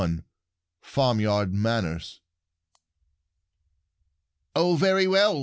XXI FARMYARD MANNERS "Oh, very well!"